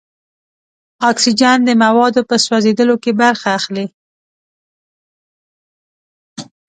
اکسیجن د موادو په سوځیدلو کې برخه اخلي.